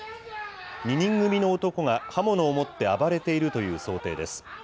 ２人組の男が刃物を持って暴れているという想定です。